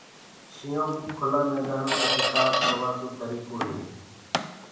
شيِنهو ڪوُ ڪُلآ ميدآنو مي شڪآر ڪروآ ڪي ڏآنهنٚ هي۔